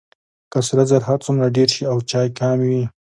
که سره زر هر څومره ډیر شي او چای کم وي.